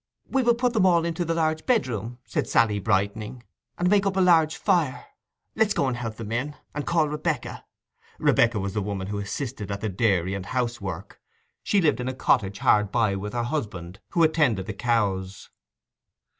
'We will put 'em all into the large bedroom,' said Sally, brightening, 'and make up a large fire. Let's go and help them in, and call Rebekah.' (Rebekah was the woman who assisted at the dairy and housework; she lived in a cottage hard by with her husband, who attended to the cows.)